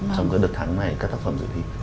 trong cái đợt tháng này các tác phẩm dự thi